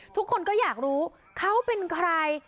ทุกคนก็อยากรู้เขาเป็นใคร